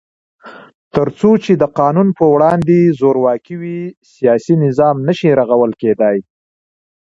تر څو چې د قانون په وړاندې زورواکي وي، سیاسي نظام نشي رغول کېدای.